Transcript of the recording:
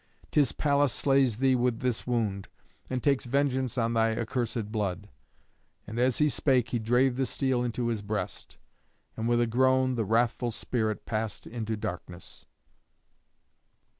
'Tis Pallas slays thee with this wound, and takes vengeance on thy accursed blood." And as he spake he drave the steel into his breast. And with a groan the wrathful spirit passed into darkness.